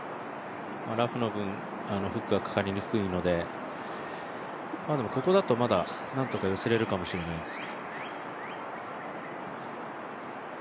ラフの分、フックがかかりにくいのでここだと、まだなんとか寄せれるかもしれないです。